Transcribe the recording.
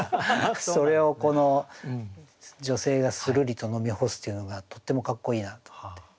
それをこの女性がするりと飲み干すというのがとってもかっこいいなと思って。